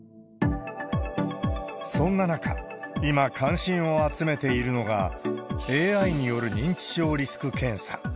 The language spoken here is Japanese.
そんな中、今、関心を集めているのが、ＡＩによる認知症リスク検査。